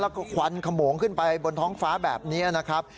แล้วก็ควันขโมงขึ้นไปบนท้องฟ้าแบบนี้นะครับ